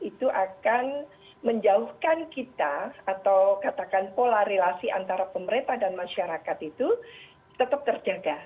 itu akan menjauhkan kita atau katakan pola relasi antara pemerintah dan masyarakat itu tetap terjaga